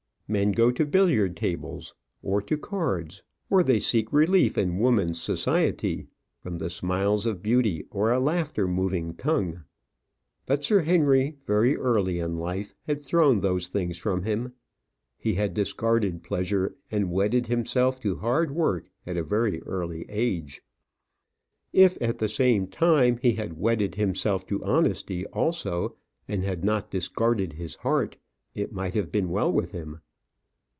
Men go to billiard tables, or to cards, or they seek relief in woman's society, from the smiles of beauty, or a laughter moving tongue. But Sir Henry, very early in life, had thrown those things from him. He had discarded pleasure, and wedded himself to hard work at a very early age. If, at the same time, he had wedded himself to honesty also, and had not discarded his heart, it might have been well with him.